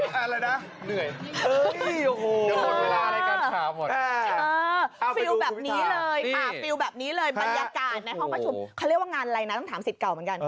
เขาเรียกว่างานอะไรนะต้องถามสิทธิ์เก่าเหมือนกัน